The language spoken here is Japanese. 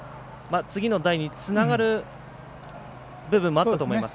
次の代につながる部分もあったと思います。